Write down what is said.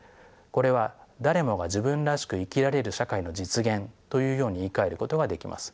これは誰もが自分らしく生きられる社会の実現というように言いかえることができます。